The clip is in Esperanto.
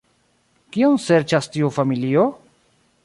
Kion serĉas tiu familio?